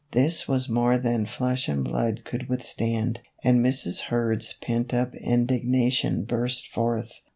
This was more than flesh and blood could with stand, and Mrs. Kurd's pent up indignation burst forth.